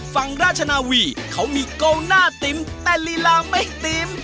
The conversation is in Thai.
ราชนาวีเขามีโกหน้าติ๊มแต่ลีลาไม่ติ๋ม